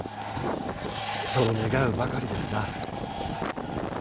そう願うばかりですな。